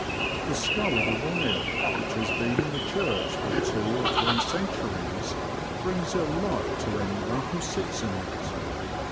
The skull of a whale, which has been in the church for two or three centuries, brings ill luck to anyone who sits in it.